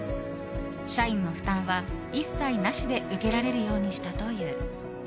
社員の負担は一切なしで受けられるようにしたという。